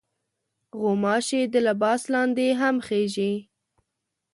غوماشې د لباس لاندې هم خېژي.